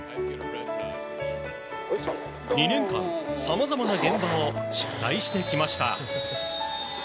２年間、さまざまな現場を取材してきました。